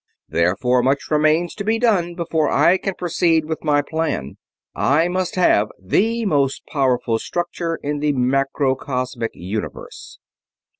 Therefore much remains to be done before I can proceed with my plan I must have the most powerful structure in the macrocosmic universe."